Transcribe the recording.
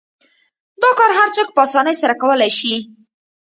دا کار هر څوک په اسانۍ سره کولای شي.